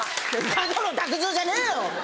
角野卓造じゃねえよ！